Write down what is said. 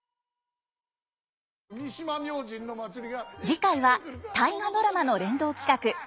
次回は「大河ドラマ」の連動企画。